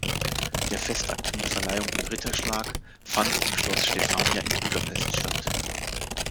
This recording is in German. Der Festakt mit Verleihung und Ritterschlag fand im Schloss Stefania in Budapest statt.